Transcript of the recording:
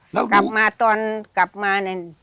กลับมาตอนกลับมา